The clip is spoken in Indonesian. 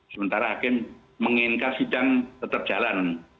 sementara hakim menginginkan sidang tetap jalan